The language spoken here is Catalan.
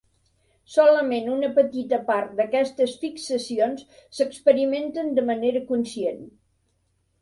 Solament una petita part d'aquestes fixacions s'experimenten de manera conscient.